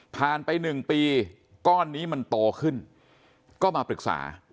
ไป๑ปีก้อนนี้มันโตขึ้นก็มาปรึกษา